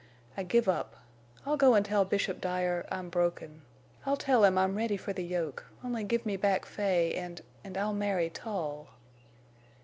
I give up. I'll go and tell Bishop Dyer—I'm broken. I'll tell him I'm ready for the yoke—only give me back Fay—and—and I'll marry Tull!"